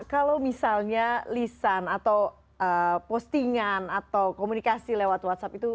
kalau misalnya lisan atau postingan atau komunikasi lewat whatsapp itu